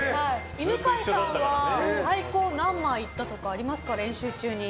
犬飼さんは最高何枚いったとかありますか。